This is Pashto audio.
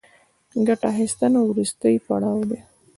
ګټه اخیستنه وروستی پړاو دی